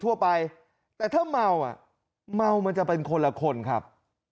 ทั่วไปแต่ถ้าเมาอ่ะเมามันจะเป็นคนละคนครับ